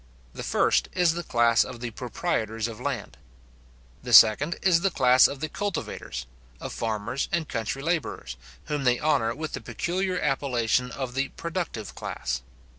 The first is the class of the proprietors of land. The second is the class of the cultivators, of farmers and country labourers, whom they honour with the peculiar appellation of the productive class.